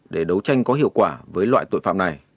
để đấu tranh có hiệu quả với loại tội phạm này